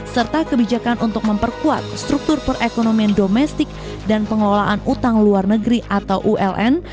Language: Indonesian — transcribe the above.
serta kebijakan untuk memperkuat struktur perekonomian domestik dan pengelolaan utang luar negeri atau uln